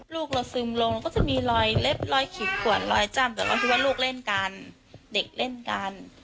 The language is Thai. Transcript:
ลูกเราซึมลงมันก็จะมีรอยเล็บรอยขีดขวดรอยจ้ำแต่เราคิดว่าลูกเล่นกันเด็กเล่นกัน